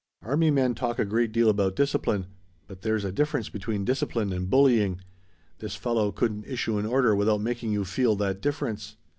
Army men talk a great deal about discipline. But there's a difference between discipline and bullying. This fellow couldn't issue an order without making you feel that difference.